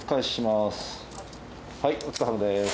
はいお疲れさまです。